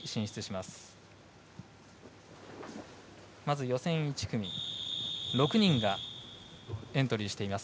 まず予選１組６人がエントリーしています。